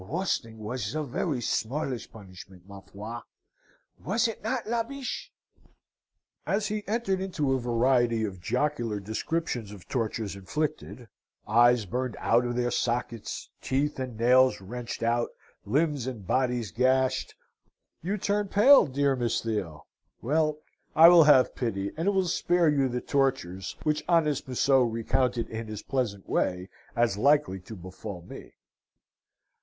Roasting was the very smallest punishment, ma foi was it not, La Biche?' "And he entered into a variety of jocular descriptions of tortures inflicted, eyes burned out of their sockets, teeth and nails wrenched out, limbs and bodies gashed You turn pale, dear Miss Theo! Well, I will have pity, and will spare you the tortures which honest Museau recounted in his pleasant way as likely to befall me.